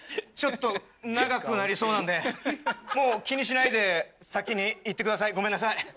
ちょっと長くなりそうなんでもう気にしないで先に行ってください。